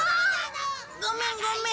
ごめんごめん。